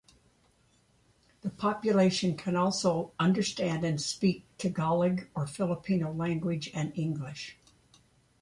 The population can also understand and speak Tagalog or Filipino language and English.